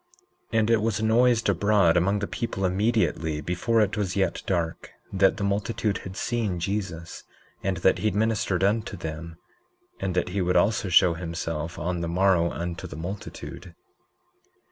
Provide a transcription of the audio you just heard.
19:2 And it was noised abroad among the people immediately, before it was yet dark, that the multitude had seen Jesus, and that he had ministered unto them, and that he would also show himself on the morrow unto the multitude.